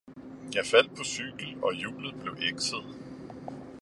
Jeg faldt på cykel og hjulet blev ekset.